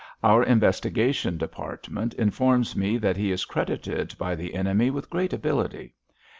Our investigation department informs me that he is credited by the enemy with great ability.